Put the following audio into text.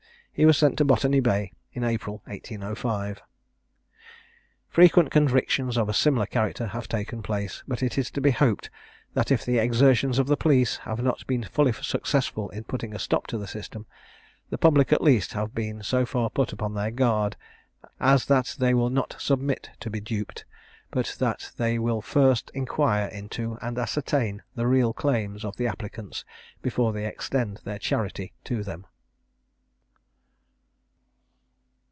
He was sent to Botany Bay in April 1805. Frequent convictions of a similar character have taken place, but it is to be hoped, that if the exertions of the police have not been fully successful in putting a stop to the system, the public, at least, have been so far put upon their guard, as that they will not submit to be duped, but that they will first inquire into and ascertain the real claims of the applicants before they extend their charity to them.